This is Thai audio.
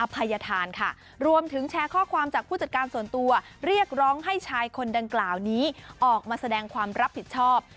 ภัยธานค่ะรวมถึงแชร์ข้อความจากผู้จัดการส่วนตัวเรียกร้องให้ชายคนดังกล่าวนี้ออกมาแสดงความรับผิดชอบ